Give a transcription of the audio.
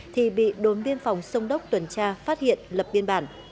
thì bị đốn biên phòng sông đốc tuần tra phát hiện lập biên bản